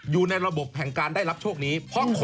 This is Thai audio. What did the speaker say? อยู่ในระบบแห่งการได้รับโชคนี้